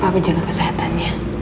pak menjaga kesehatannya